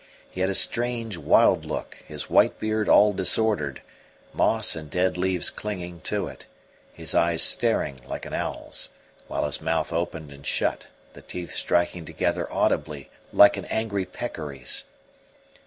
He had a strange, wild look, his white beard all disordered, moss and dead leaves clinging to it, his eyes staring like an owl's, while his mouth opened and shut, the teeth striking together audibly, like an angry peccary's.